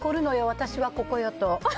私はここよと。